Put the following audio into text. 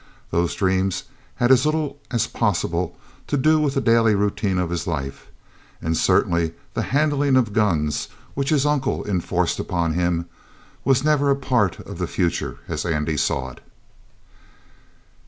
Those dreams had as little as possible to do with the daily routine of his life, and certainly the handling of guns, which his uncle enforced upon him, was never a part of the future as Andy saw it.